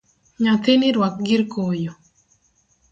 Nyathini ruak girkoyo.